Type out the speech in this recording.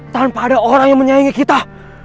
tanpa ada orang yang menyaingi kita